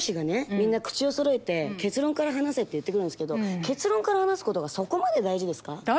みんな口をそろえて結論から話せって言って来るんですけど結論から話すことがそこまで大事ですか？